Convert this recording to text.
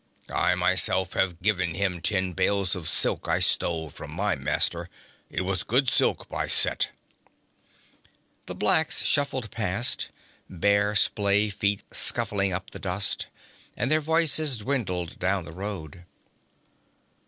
I myself have given him ten bales of silk I stole from my master. It was good silk, by Set!' The blacks shuffled past, bare splay feet scuffing up the dust, and their voices dwindled down the road.